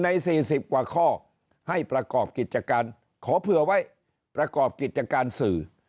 ใน๔๐กว่าข้อให้ประกอบกิจการขอเผื่อไว้ประกอบกิจการสื่อ